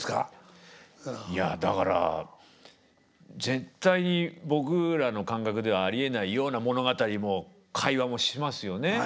いやだから絶対に僕らの感覚ではありえないような物語も会話もしますよね。